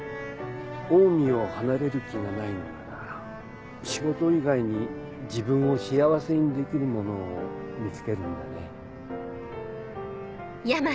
オウミを離れる気がないのなら仕事以外に自分を幸せにできるものを見つけるんだね。